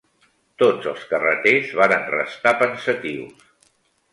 Tots els carreters varen restar pensatius.